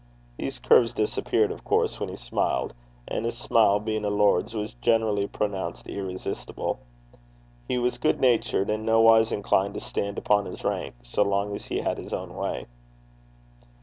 These curves disappeared, of course, when he smiled, and his smile, being a lord's, was generally pronounced irresistible. He was good natured, and nowise inclined to stand upon his rank, so long as he had his own way.